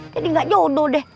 jadi gak jodoh deh